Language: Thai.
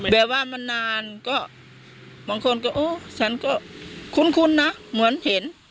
แบบว่ามันนานก็บางคนก็โอ้ฉันก็คุ้นนะเหมือนเห็น